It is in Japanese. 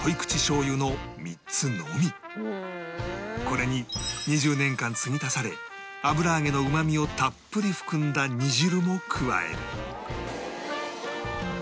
これに２０年間継ぎ足され油揚げのうまみをたっぷり含んだ煮汁も加える